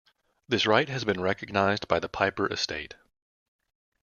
This right has been recognized by the Piper estate.